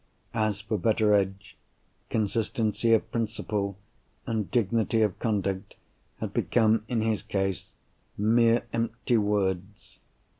As for Betteredge, consistency of principle and dignity of conduct had become, in his case, mere empty words.